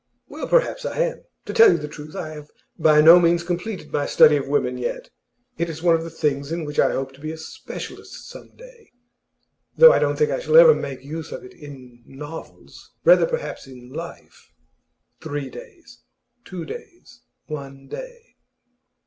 'Well, perhaps I am. To tell you the truth, I have by no means completed my study of women yet. It is one of the things in which I hope to be a specialist some day, though I don't think I shall ever make use of it in novels rather, perhaps, in life.' Three days two days one day.